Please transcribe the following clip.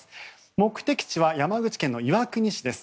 目的地は山口県の岩国市です。